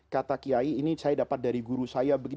kata kiai ini saya dapat dari guru saya